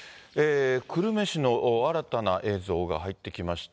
久留米市の新たな映像が入ってきました。